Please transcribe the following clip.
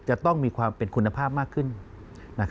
จะต้องมีความเป็นคุณภาพมากขึ้น